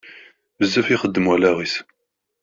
Bezzaf i yexdem wallaɣ-is.